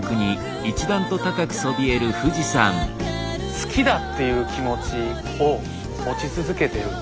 好きだっていう気持ちを持ち続けてる。